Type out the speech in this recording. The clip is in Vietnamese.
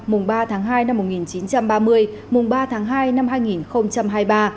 mùng ba tháng hai năm một nghìn chín trăm ba mươi mùng ba tháng hai năm hai nghìn hai mươi ba